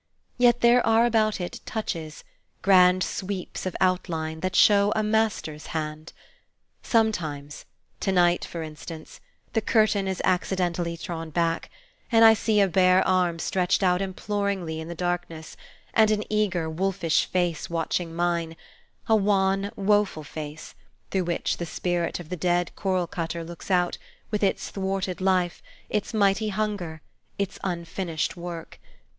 Yet there are about it touches, grand sweeps of outline, that show a master's hand. Sometimes, to night, for instance, the curtain is accidentally drawn back, and I see a bare arm stretched out imploringly in the darkness, and an eager, wolfish face watching mine: a wan, woful face, through which the spirit of the dead korl cutter looks out, with its thwarted life, its mighty hunger, its unfinished work.